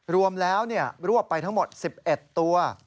รวมแล้วรวบไปทั้งหมด๑๑ตัว